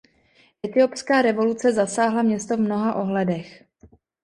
Etiopská revoluce zasáhla město v mnoha ohledech.